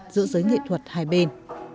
giữa giới nghệ thuật hai bên